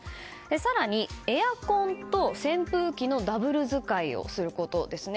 更にエアコンと扇風機のダブル使いをすることですね。